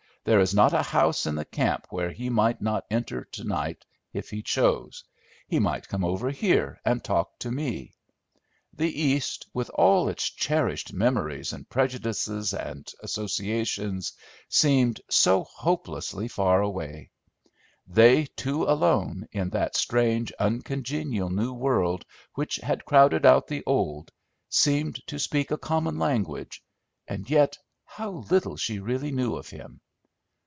There is not a house in the camp where he might not enter to night, if he chose; he might come over here and talk to me. The East, with all its cherished memories and prejudices and associations, seemed so hopelessly far away; they two alone, in that strange, uncongenial new world which had crowded out the old, seemed to speak a common language: and yet how little she really knew of him!